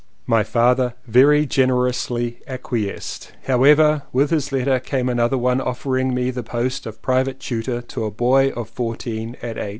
My father very generously acquiesced. How ever with his letter came another one of fering me the post of Private Tutor to a boy of fourteen at H.